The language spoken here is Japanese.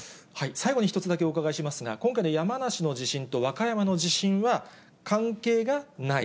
最後に１つだけお伺いしますが、今回の山梨の地震と和歌山の地震は、関係がない。